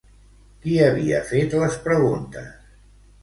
Qui havia fet les preguntes?